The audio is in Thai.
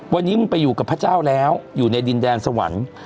วันนี้มึงไปอยู่กับพระเจ้าแล้วอยู่ในดินแดนสวรรค์